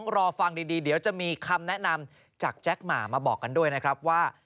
รอฟังดีเดี๋ยวจะมีคำแนะนำจากแจ็คหมามาบอกกันด้วยนะครับว่า